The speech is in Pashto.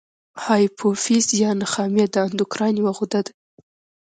هایپوفیز یا نخامیه د اندوکراین یوه غده ده.